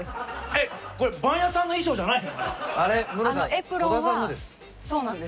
エプロンは。